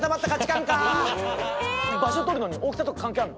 場所取るのに大きさとか関係あんの？